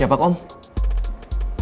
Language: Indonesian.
dia juga gak punya kebenaran